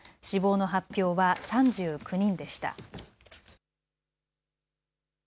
死亡の発表は３９人でした。